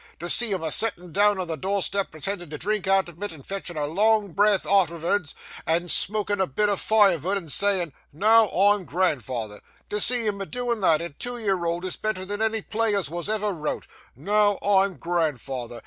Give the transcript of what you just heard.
To see him a settin' down on the doorstep pretending to drink out of it, and fetching a long breath artervards, and smoking a bit of firevood, and sayin', "Now I'm grandfather,"—to see him a doin' that at two year old is better than any play as wos ever wrote. "Now I'm grandfather!"